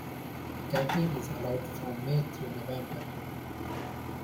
Camping is allowed from May through November.